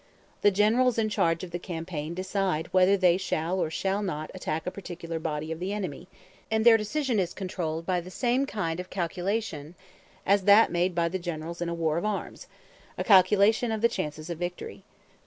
The generals in charge of the campaign decide whether they shall or shall not attack a particular body of the enemy; and their decision is controlled by the same kind of calculation as that made by the generals in a war of arms a calculation of the chances of victory.